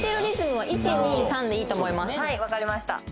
はいわかりました